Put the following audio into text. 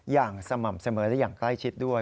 อย่างสม่ำเสมอได้อย่างใกล้ชิดด้วย